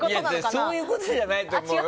そういうことじゃないと思うよ。